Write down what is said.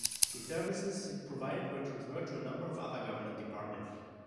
The services it provided were transferred to a number of other government departments.